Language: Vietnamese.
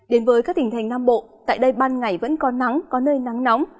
đến với các tỉnh thành nam bộ tại đây ban ngày vẫn có nắng có nơi nắng nóng